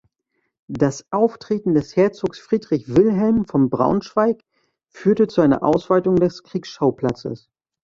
Das Auftreten des Herzogs Friedrich Wilhelm von Braunschweig führte zu einer Ausweitung des Kriegsschauplatzes.